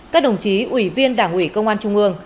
các đồng chí ủy viên đảng ủy công an trung ương